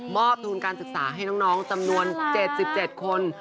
ทุนการศึกษาให้น้องจำนวน๗๗คน